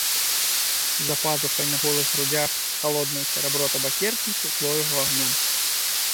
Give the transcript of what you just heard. За пазухай на голых грудзях халоднае серабро табакеркі пякло яго агнём.